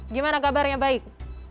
gimana kabarnya baik